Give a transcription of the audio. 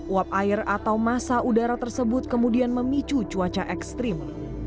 uap air atau masa udara tersebut kemudian memicu cuaca ekstrim